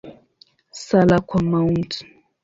Sala kwa Mt.